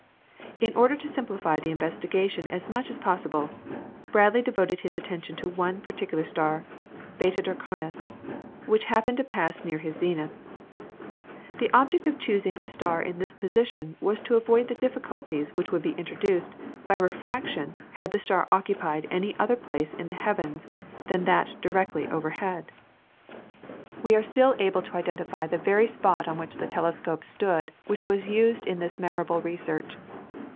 In order to simplify the investigation as much as possible, Bradley devoted his attention to one particular star, Beta Draconis, which happened to pass near his zenith. The object of choosing a star in this position was to avoid the difficulties which would be introduced by refraction had the star occupied any other place in the heavens than that directly overhead. We are still able to identify the very spot on which the telescope stood which was used in this memorable research.